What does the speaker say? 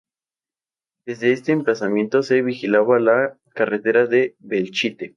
Desde este emplazamiento se vigilaba la carretera de Belchite.